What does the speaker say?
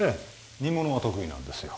煮物は得意なんですよ